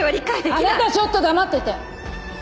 あなたちょっと黙ってて！